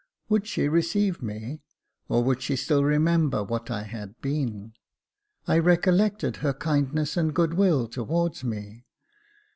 Would she receive me, or would she still remember what I had been ? I recollected her kindness and good will to wards me.